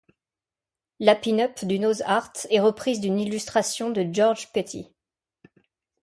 La pin-up du nose art est reprise d'une illustration de Georges Petty.